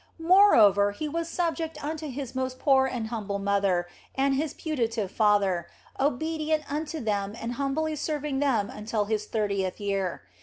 Moreover, He was sub ject unto His most poor and humble Mother and His putative father, obedient unto them and humbly serving them until His thirtieth year.